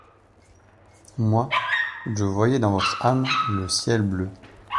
Moi, je voyais dans votre âme Le ciel bleu.